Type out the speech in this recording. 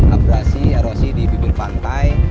abrasi erosi di bibir pantai